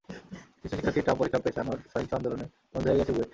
কিছু শিক্ষার্থীর টার্ম পরীক্ষা পেছানোর সহিংস আন্দোলনে বন্ধ হয়ে গেছে বুয়েট।